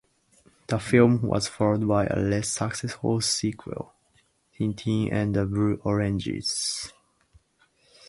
The film was followed by a less successful sequel, "Tintin and the Blue Oranges".